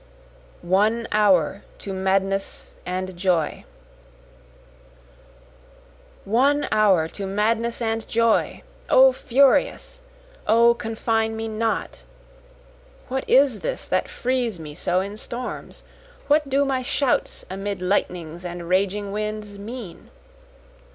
One Hour to Madness and Joy One hour to madness and joy! O furious! O confine me not! (What is this that frees me so in storms? What do my shouts amid lightnings and raging winds mean?)